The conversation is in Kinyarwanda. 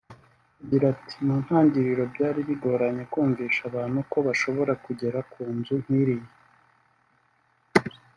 Agira ati ʺMu ntangiriro byari bigoranye kumvisha abantu ko bashobora kugera ku nzu nk’iriya